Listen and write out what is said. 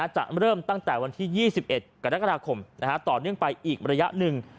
จะเริ่มตั้งแต่วันที่๒๑กรกฎาคมต่อเนื่องไปอีกระยะหนึ่ง